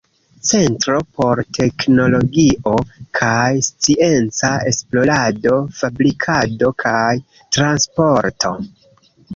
Centro por teknologio kaj scienca esplorado, fabrikado kaj transporto.